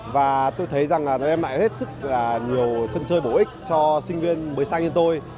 và tôi thấy rằng là nó đem lại hết sức nhiều sân chơi bổ ích cho sinh viên mới xa như tôi